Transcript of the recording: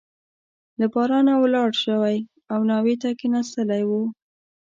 له بارانه ولاړ شوی او ناوې ته کښېنستلی وو.